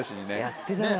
やってたな。